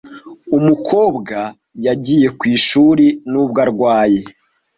Umukobwa yagiye ku ishuri nubwo arwaye.